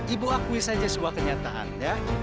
ibu akui saja sebuah kenyataan ya